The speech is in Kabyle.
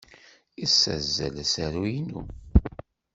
Yessazzel asaru-nni.